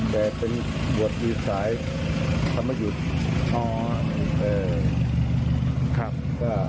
แต่เป็นบวชมีสายธรรมยุทธ์